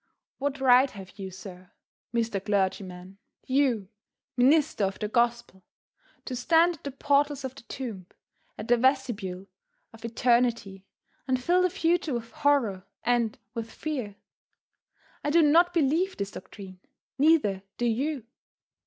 What right have you, sir, Mr. clergyman, you, minister of the gospel, to stand at the portals of the tomb, at the vestibule of eternity, and fill the future with horror and with fear? I do not believe this doctrine: neither do you.